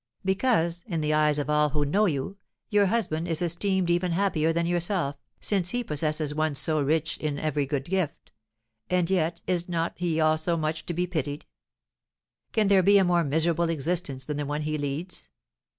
"Because, in the eyes of all who know you, your husband is esteemed even happier than yourself, since he possesses one so rich in every good gift; and yet is not he also much to be pitied? Can there be a more miserable existence than the one he leads?